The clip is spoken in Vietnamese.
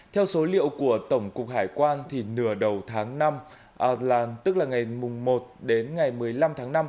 theo số liệu của tổng cục hải quan nửa đầu tháng năm là tức là ngày một đến ngày một mươi năm tháng năm